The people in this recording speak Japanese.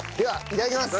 いただきます。